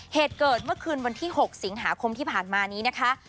เหตุเกิดเมื่อคืนวันที่๖สิงหาคมที่ผ่านมานี้นะคะ